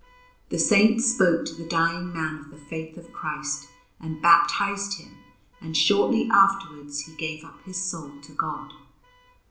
The Saint spoke to the dying man of the faith of Christ and baptized him, and shortly afterwards he gave up his soul to God.